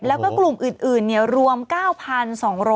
แล้วก็กลุ่มอื่นรวม๙๒๐๐